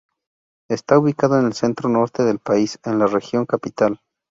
Está ubicado en el centro-norte del país, en la región Capital.